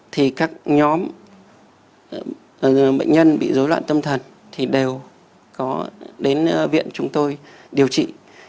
thì các nhóm bệnh nhân bị dối loạn tâm thần thì đều có đến viện chúng tôi điều trị